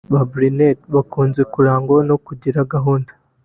Ba Brunella bakunze kurangwa no kugira gahunda